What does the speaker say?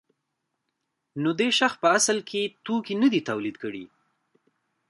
نو دې شخص په اصل کې توکي نه دي تولید کړي